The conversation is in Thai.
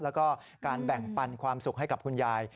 แล้วก็การแบ่งปันความสุขให้กับคุณยาย